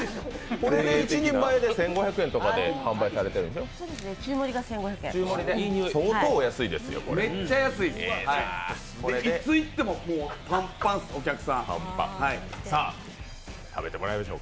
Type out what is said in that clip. これで１人前で１５００円とかで販売されてるんでしょう？